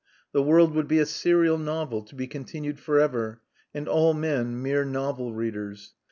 The world would be a serial novel, to be continued for ever, and all men mere novel readers.